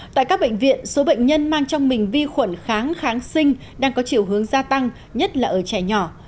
tại các bệnh viện số bệnh nhân mang trong mình vi khuẩn kháng kháng sinh đang có chiều hướng gia tăng nhất là ở trẻ nhỏ